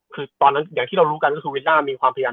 คือตอนนั้นอย่างที่เรารู้กันก็คือวิน่ามีความพยายาม